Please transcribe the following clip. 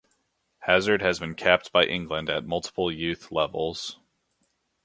Hazard has been capped by England at multiple youth levels.